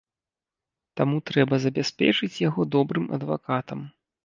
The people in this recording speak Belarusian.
Таму трэба забяспечыць яго добрым адвакатам.